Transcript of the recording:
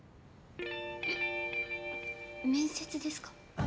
⁉え面接ですか？